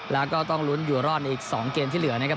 แล้วก็ต้องลุ้นอยู่รอดในอีก๒เกมที่เหลือนะครับ